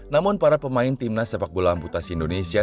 namun para pemain timnas sepak bola amputasi indonesia